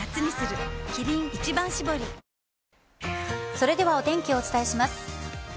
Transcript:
それではお天気をお伝えします。